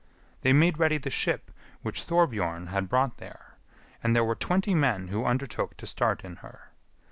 They made ready the ship which Thorbjorn had brought there, and there were twenty men who undertook to start in her.